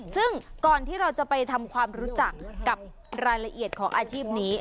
ซึ่งก่อนที่เราจะไปทำความรู้จักกับรายละเอียดของอาชีพนี้